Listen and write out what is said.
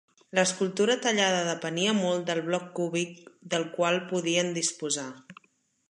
L'escultura tallada depenia molt del bloc cúbic del qual podien disposar.